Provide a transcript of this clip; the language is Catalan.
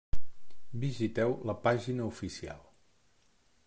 Visiteu la pàgina oficial.